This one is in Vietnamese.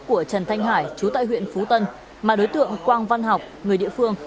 của trần thanh hải chú tại huyện phú tân mà đối tượng quang văn học người địa phương